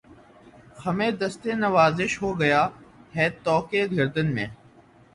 خمِ دستِ نوازش ہو گیا ہے طوق گردن میں